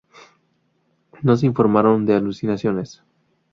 No se informaron de alucinaciones.